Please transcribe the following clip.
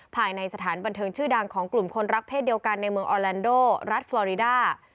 ภายในสถานบันเทิงชื่อดังของกลุ่มคนรักเศษเดียวกันในเมืองออแลนโดรัฐฟอริดา